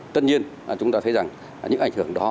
tất nhiên chúng ta thấy rằng những ảnh hưởng đó